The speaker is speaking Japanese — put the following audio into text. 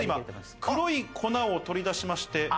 黒い粉を取り出しまして。